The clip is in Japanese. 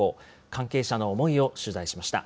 関係者の思いを取材しました。